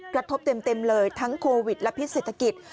กระทบเต็มเลยทั้งโควิดและพิษเศรษฐกิจ